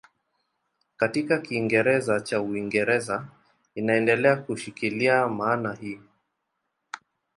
Katika Kiingereza cha Uingereza inaendelea kushikilia maana hii.